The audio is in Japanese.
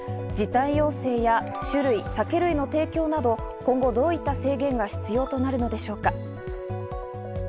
時短要請や酒類の提供など今後、どういった制限が必要となるのでしょうか？